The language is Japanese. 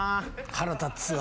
腹立つわ。